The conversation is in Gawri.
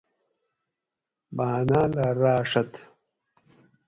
باۤناۤلہ راۤڛت